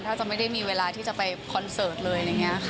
ถ้าจะไม่ได้มีเวลาที่จะไปคอนเสิร์ตเลย